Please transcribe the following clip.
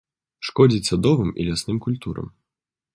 Шкодзіць садовым і лясным культурам.